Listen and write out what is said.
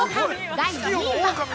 第２位は。